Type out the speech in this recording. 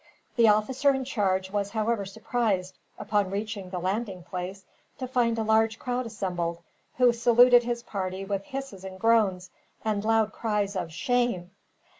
The officer in charge was however surprised, upon reaching the landing place, to find a large crowd assembled, who saluted his party with hisses and groans, and loud cries of "shame!"